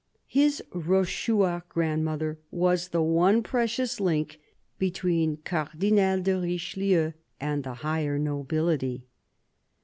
His Rochechouart grandmother was the one precious link between Cardinal de Richelieu and the higher nobility.